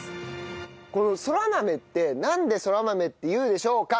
このそら豆ってなんでそら豆っていうでしょうか？